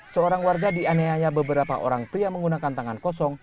seorang warga dianiaya beberapa orang pria menggunakan tangan kosong